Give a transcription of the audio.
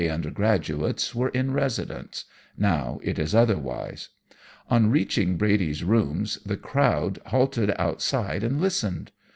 undergrads were in residence now it is otherwise. On reaching Brady's rooms the crowd halted outside and listened.